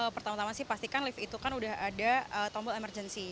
pertama tama sih pastikan lift itu kan udah ada tombol emergency